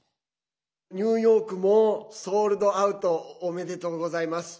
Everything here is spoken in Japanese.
ニューヨークもソールドアウトおめでとうございます。